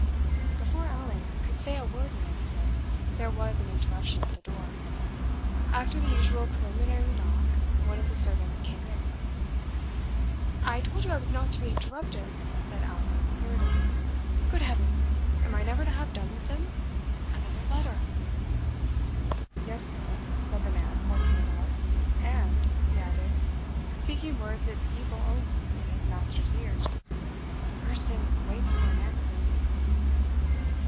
Before Allan could say a word in answer, there was an interruption at the door. After the usual preliminary knock, one of the servants came in. "I told you I was not to be interrupted," said Allan, irritably. "Good heavens! am I never to have done with them? Another letter!" "Yes, sir," said the man, holding it out. "And," he added, speaking words of evil omen in his master's ears, "the person waits for an answer."